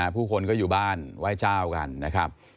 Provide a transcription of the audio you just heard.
ผู้คนก็อยู่บ้านไหว้เจ้ากันนะครับ